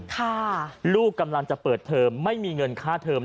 ค่ะลูกกำลังจะเปิดเทอมไม่มีเงินค่าเทอม